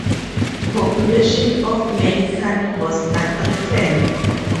Populations of many carnivores are threatened.